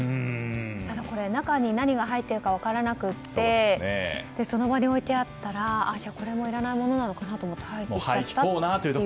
ただ、中に何が入っているか分からなくてその場に置いてあったらこれもいらないものなのかなと思って廃棄しちゃったという。